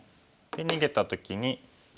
で逃げた時に。